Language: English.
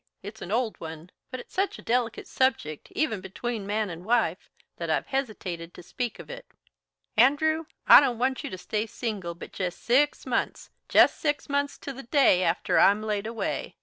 It's an old one, but it's such a delicate subject, even between man and wife, that I've hesitated to speak of it. Andrew, I don't want you to stay single but jest six months jest six months to the very day after I'm laid away.